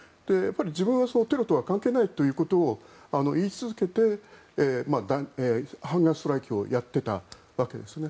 自分はテロとは関係ないということを言い続けてハンガーストライキをやっていたわけですね。